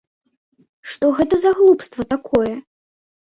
Што гэта за глупства такое?